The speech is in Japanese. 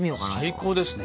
最高ですね。